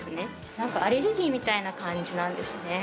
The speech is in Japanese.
なんか、アレルギーみたいな感じなんですね。